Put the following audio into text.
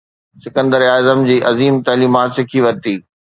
سڪندر اعظم جي عظيم تعليمات سکي ورتي